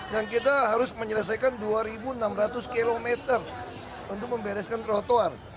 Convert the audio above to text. dan kita harus menyelesaikan dua enam ratus km untuk membereskan trotoar